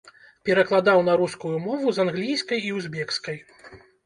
Перакладаў на рускую мову з англійскай і узбекскай.